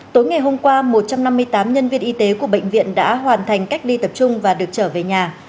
tối ngày hôm qua một trăm năm mươi tám nhân viên y tế của bệnh viện đã hoàn thành cách ly tập trung và được trở về nhà